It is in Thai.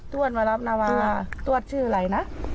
้วนมารับนาวาต้วนชื่ออะไรนะ